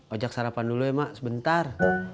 ajak sarapan dulu ya mak sebentar